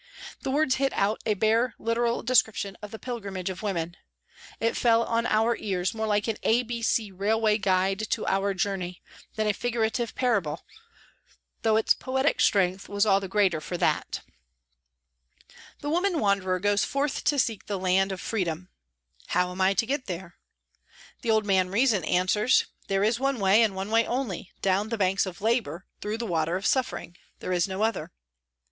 The words hit out a bare literal description of the pilgrimage of women. It fell on our ears more like an A B C railway guide to our journey than a figurative parable, though its poetic strength was all the greater for that. The woman wanderer goes forth to seek the Land of Freedom ...".' How am 1 to get there ?' The old man, Reason, answers, ' There is one way and one only. Down the banks of Labour, through the water of suffering. There is no other.' ..